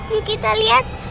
yuk kita liat